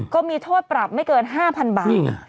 ก็มีโทษปรับไม่เกินห้าพันบาทนี่ไง